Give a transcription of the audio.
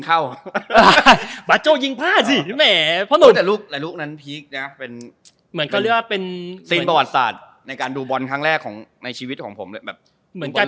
ก็เรียกว่าเป็นซีนประวัติศาสตร์ในการดูบอลครั้งแรกของในชีวิตของผมเลยแบบ